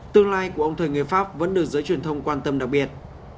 tương lai của ông thời người pháp vẫn được giới truyền thông quan tâm đặc biệt